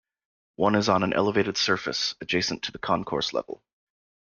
One is on an elevated surface, adjacent to the concourse level.